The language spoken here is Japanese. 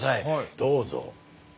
どうぞ。